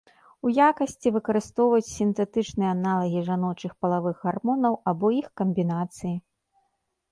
У якасці выкарыстоўваюць сінтэтычныя аналагі жаночых палавых гармонаў або іх камбінацыі.